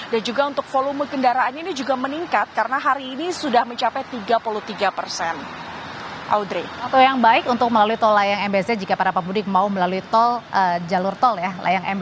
dan juga untuk volume kendaraan ini juga meningkat karena hari ini sudah mencapai tiga puluh tiga persen